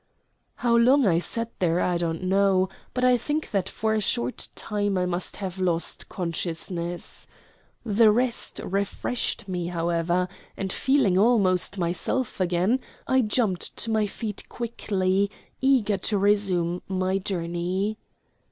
How long I sat there I do not know, but I think that for a short time I must have lost consciousness. The rest refreshed me, however, and, feeling almost myself again, I jumped to my feet quickly, eager to resume my journey.